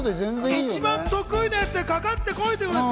一番得意なやつで、かかってこいってことですね。